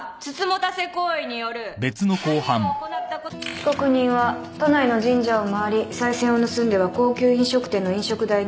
被告人は都内の神社を回りさい銭を盗んでは高級飲食店の飲食代に充てた。